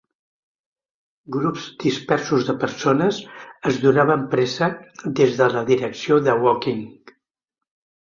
Grups dispersos de persones es donaven pressa des de la direcció de Woking.